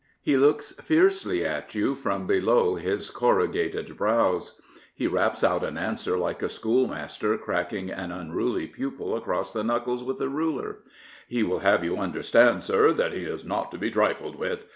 He looks fiercely at you from below his corrugated brows. He raps out an answer like a schoolmaster cracking an unruly pupil across the knuckles with a ruler. He will have you understand, sir, that he is not to be trifled with.